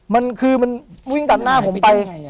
มันคือมันวิ่งตัดหน้าผมไป